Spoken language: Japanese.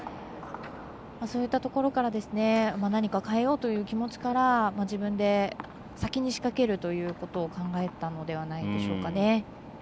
そういったところから何かを変えようという気持ちから自分で先に仕掛けるということを考えたのではないでしょうか。